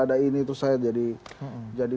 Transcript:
ada ini terus saya jadi jadi